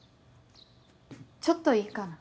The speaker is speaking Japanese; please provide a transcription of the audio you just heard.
ちょっといいかな？